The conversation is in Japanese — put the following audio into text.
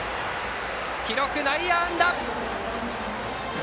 記録は内野安打。